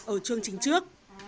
ở chương trình trước